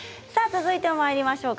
続いてまいりましょう。